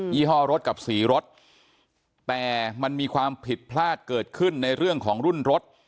ี่ห้อรถกับสีรถแต่มันมีความผิดพลาดเกิดขึ้นในเรื่องของรุ่นรถ